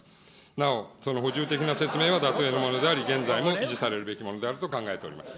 なお、その補充的な説明は、現在も維持されるべきものであると考えております。